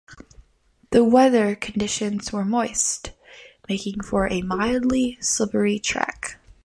The weather conditions were moist, making for a mildly slippery track.